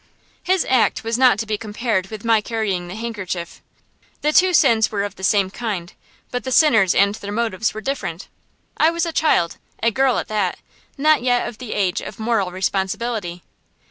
His act was not to be compared with my carrying the handkerchief. The two sins were of the same kind, but the sinners and their motives were different. I was a child, a girl at that, not yet of the age of moral responsibility.